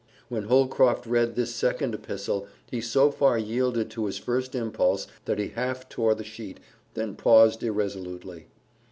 When Holcroft read this second epistle he so far yielded to his first impulse that he half tore the sheet, then paused irresolutely.